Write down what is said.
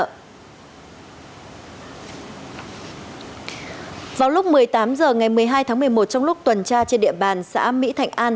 vào lúc một mươi tám h ngày một mươi hai tháng một mươi một trong lúc tuần tra trên địa bàn xã mỹ thạnh an